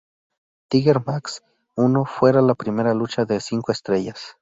Tiger Mask I fuera la primera lucha de cinco estrellas.